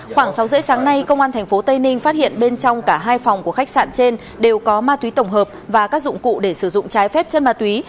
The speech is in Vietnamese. khoảng sáu giờ sáng nay công an tp tây ninh phát hiện bên trong cả hai phòng của khách sạn trên đều có ma túy tổng hợp và các dụng cụ để sử dụng trái phép chất ma túy